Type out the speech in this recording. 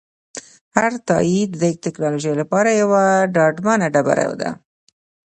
هر تایید د ټکنالوژۍ لپاره یوه ډاډمنه ډبره ده.